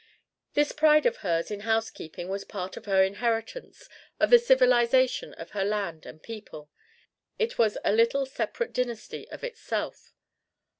This pride of hers in housekeeping was part of her inheritance, of the civilization of her land and people: it was a little separate dynasty of itself.